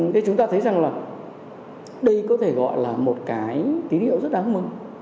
thế chúng ta thấy rằng là đây có thể gọi là một cái tín hiệu rất đáng mừng